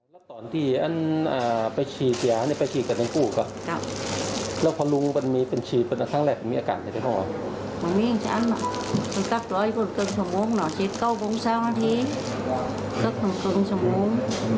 โรงพยาบาลน่าจะเก่า๔๕อาทิตย์แต่ต้องเกินสมมุม